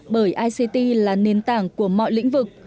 bởi ict là nền tảng của mọi lĩnh vực